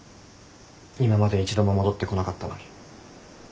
今まで一度も戻ってこなかったのに。